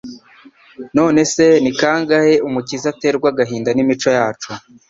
None se, ni kangahe Umukiza aterwa agahinda n'imico yacu,